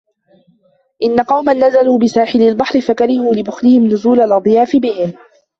إنَّ قَوْمًا نَزَلُوا بِسَاحِلِ الْبَحْرِ فَكَرِهُوا لِبُخْلِهِمْ نُزُولُ الْأَضْيَافِ بِهِمْ